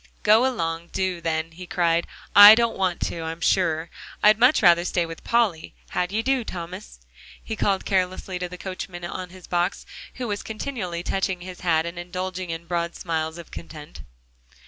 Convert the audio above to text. "Go along, do, then," he cried; "I don't want to, I'm sure; I'd much rather stay with Polly. How d'ye do, Thomas?" he called carelessly to the coachman on his box, who was continually touching his hat and indulging in broad smiles of content.